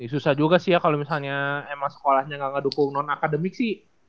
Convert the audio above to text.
susah juga sih ya kalau misalnya emang sekolahnya gak dukung non akademik sih